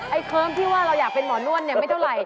อัยเคิร์มที่ว่าเราอยากเป็นหมอนวรอ่ะ